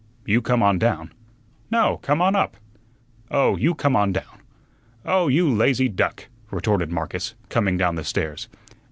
"You come on down." "No, come on up." "Oh, you come on down." "Oh, you lazy duck!" retorted Marcus, coming down the stairs.